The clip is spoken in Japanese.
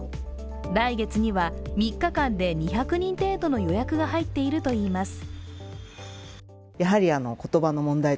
来月には３日間で２００人程度の予約が入っているといいます。